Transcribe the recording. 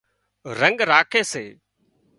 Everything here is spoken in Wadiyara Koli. رنڳ راکي سي